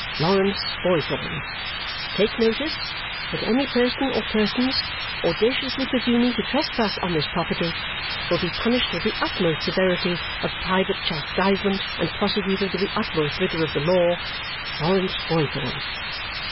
Lawrence Boythorn." "Take notice. That any person or persons audaciously presuming to trespass on this property will be punished with the utmost severity of private chastisement and prosecuted with the utmost rigour of the law. Lawrence Boythorn."